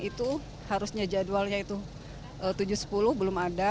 itu harusnya jadwalnya itu tujuh sepuluh belum ada